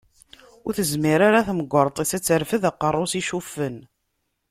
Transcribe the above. Ur tezmir ara temgerṭ-is ad terfeḍ aqerru-s icuffen.